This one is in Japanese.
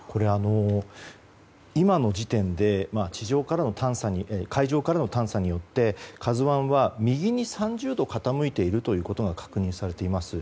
今の時点で海上からの探査によって「ＫＡＺＵ１」は右に３０度傾いていることが確認されています。